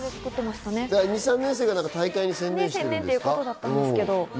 ２３年生が大会に専念してということですか？